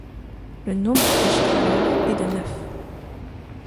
Le nombre de Strahler est de neuf.